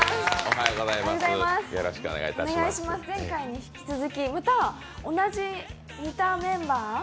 前回に引き続き、また似たメンバー？